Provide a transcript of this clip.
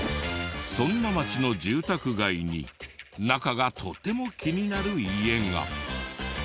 そんな町の住宅街に中がとても気になる家が。